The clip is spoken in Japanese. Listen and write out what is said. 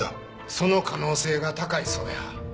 その可能性が高いそうや。